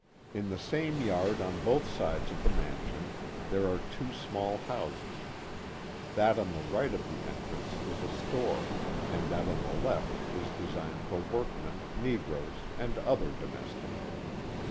In the same yard on both sides of the mansion, there are two small houses; that on the right of the entrance is a store, and that on the left is designed for workmen, negroes, and other domestics.